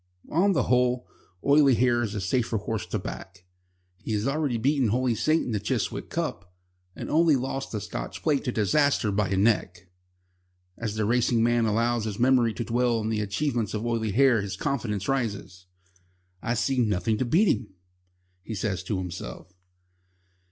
On the whole, Oily Hair is a safer horse to back. He has already beaten Holy Saint in the Chiswick Cup, and only lost the Scotch Plate to Disaster by a neck. As the racing man allows his memory to dwell on the achievements of Oily Hair his confidence rises. "I see nothing to beat him," he says to himself.